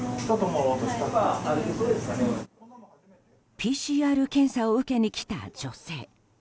ＰＣＲ検査を受けに来た女性。